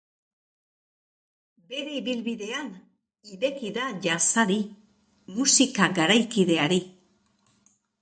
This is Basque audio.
Bere ibilbidean, ideki da jazzari, musika garaikideari.